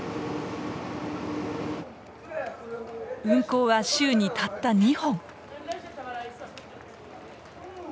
運行は週にたった２本。